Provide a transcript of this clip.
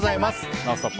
「ノンストップ！」